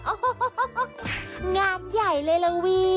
โอ้โหงานใหญ่เลยละวี